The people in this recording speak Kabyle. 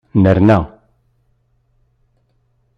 Nerna.